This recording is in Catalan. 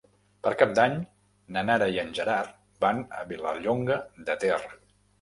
Per Cap d'Any na Nara i en Gerard van a Vilallonga de Ter.